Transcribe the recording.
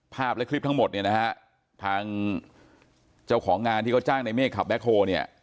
และคลิปทั้งหมดเนี่ยนะฮะทางเจ้าของงานที่เขาจ้างในเมฆขับแบ็คโฮเนี่ย